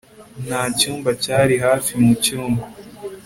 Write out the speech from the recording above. Nta cyumba cyari hafi mu cyumba